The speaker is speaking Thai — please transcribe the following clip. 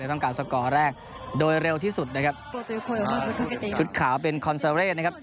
ต้องการสกอแรกโดยเร็วที่สุดนะครับชุดขาวเป็นนะครับ